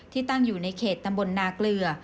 ที่ตั้งอยู่ในเขตตำรวจนาเกลือ